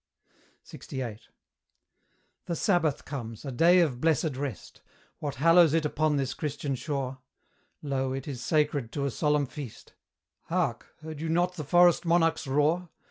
LXVIII. The sabbath comes, a day of blessed rest; What hallows it upon this Christian shore? Lo! it is sacred to a solemn feast: Hark! heard you not the forest monarch's roar?